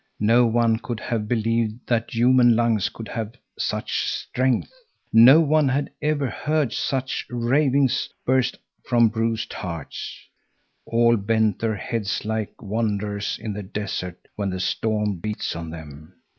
No one could have believed that human lungs could have such strength. No one had ever heard such ravings burst from bruised heart. All bent their heads like wanderers in the desert, when the storm beats on them.